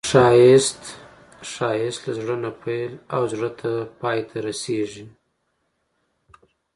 ښایست له زړه نه پیل او زړه ته پای ته رسېږي